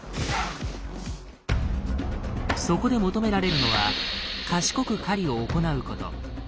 そこで求められるのは賢く狩りを行うこと。